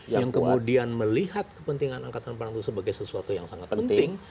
yang kemudian melihat kepentingan angkatan perang itu sebagai sesuatu yang sangat penting